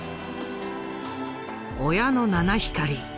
「親の七光り」。